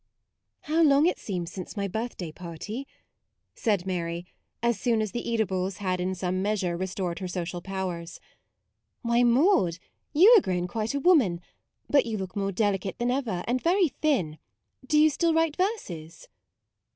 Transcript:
"How long it seems since my birthday party," said Mary, as soon as 44 MAUDE the eatables had in some measure re stored her social powers. " Why, Maude, you are grown quite a woman, but you look more delicate than ever, and very thin ; do you still write verses